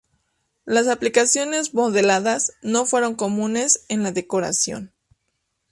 Las aplicaciones modeladas no fueron comunes en la decoración.